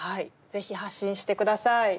是非発信して下さい。